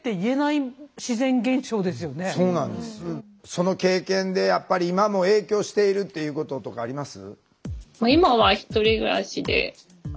その経験でやっぱり今も影響しているっていうこととかあります？